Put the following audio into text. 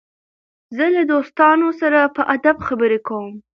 زه له دوستانو سره په ادب خبري کوم.